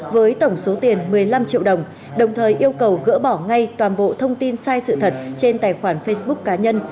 với tổng số tiền một mươi năm triệu đồng đồng thời yêu cầu gỡ bỏ ngay toàn bộ thông tin sai sự thật trên tài khoản facebook cá nhân